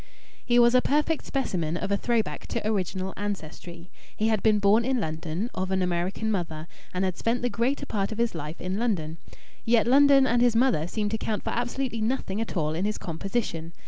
He was a perfect specimen of a throw back to original ancestry. He had been born in London, of an American mother, and had spent the greater part of his life in London. Yet London and his mother seemed to count for absolutely nothing at all in his composition.